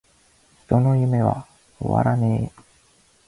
人の夢は!!!終わらねェ!!!!